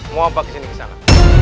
mau apa kesini kesana